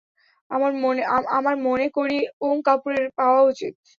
আমার মনে করি ওম কাপুরের পাওয়া উচিত।